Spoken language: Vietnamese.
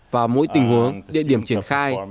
và mỗi tình huống địa điểm triển khai